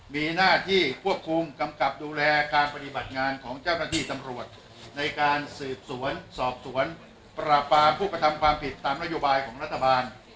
มีหน้าที่ควบคุมกำกับดูแลการปฏิบัติงานของเจ้าหน้าที่ตำรวจในการสืบสวนสอบสวนปราบปรามผู้กระทำความผิดตามนโยบายของรัฐบาล